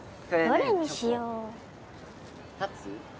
どれにしよう？カツ？